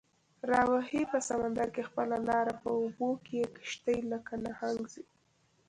راوهي په سمندر کې خپله لاره، په اوبو کې یې کشتۍ لکه نهنګ ځي